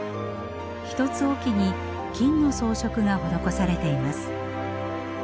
一つ置きに金の装飾が施されています。